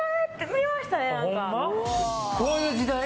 こういう時代？